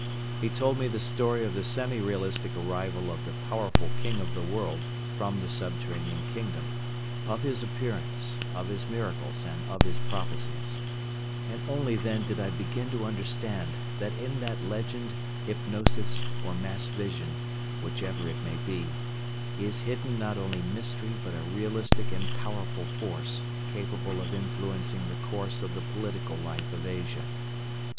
He told me the story of the semi realistic arrival of the powerful King of the World from the subterranean kingdom, of his appearance, of his miracles and of his prophecies; and only then did I begin to understand that in that legend, hypnosis or mass vision, whichever it may be, is hidden not only mystery but a realistic and powerful force capable of influencing the course of the political life of Asia.